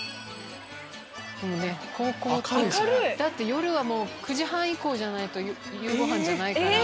夜は９時半以降じゃないと夕ごはんじゃないから。